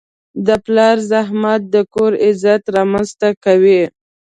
د پلار زحمت د کور عزت رامنځته کوي.